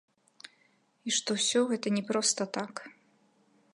І што ўсё гэта не проста так.